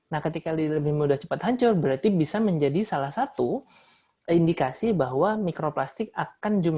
nah ketika lebih mudah cepat hancur berarti bisa menjadi salah satu indikasi bahwa mikroplastik akan jumlahnya